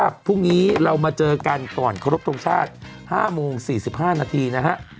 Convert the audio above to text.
พรุ่งนี้เรามาเจอกันก่อนขอรบทรงชาติ๕โมง๔๕นาทีนะฮะ